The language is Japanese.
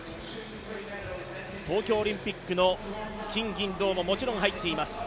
東京オリンピックの金、銀、銅もそれぞれ入っています。